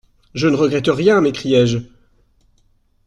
«Je ne regrette rien ! m'écriai-je.